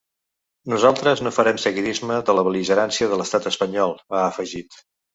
Nosaltres no farem seguidisme de la bel·ligerància de l’estat espanyol, ha afegit.